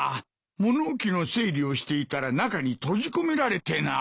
物置の整理をしていたら中に閉じ込められてな。